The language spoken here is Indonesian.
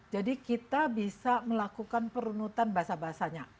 jadi kita bisa melakukan perunutan bahasa bahasanya